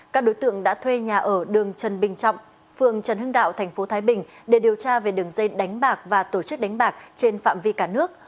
các đối tượng đã thuê nhà ở đường trần bình trọng phường trần hưng đạo tp thái bình để điều tra về đường dây đánh bạc và tổ chức đánh bạc trên phạm vi cả nước